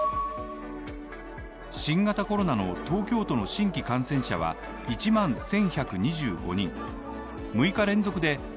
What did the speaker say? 新型コロナの東京都の新規感染者は１万１１２５人。